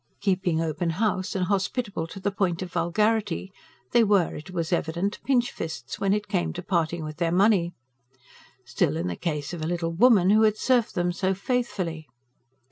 Keeping open house, and hospitable to the point of vulgarity, they were, it was evident, pinchfists when it came to parting with their money. Still, in the case of a little woman who had served them so faithfully!